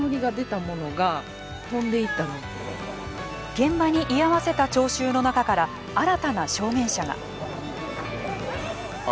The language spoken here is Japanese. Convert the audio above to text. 現場に居合わせた聴衆の中から新たな証言者が。